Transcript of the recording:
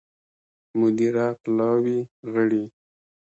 مدیره پلاوي غړي